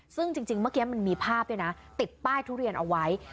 ซึ่งจริงเมื่อกี้มันมีภาพด้วยนะติดป้ายทุเรียนเอาไว้